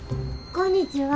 こんにちは。